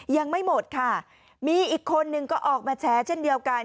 ยังไม่หมดค่ะมีอีกคนนึงก็ออกมาแชร์เช่นเดียวกัน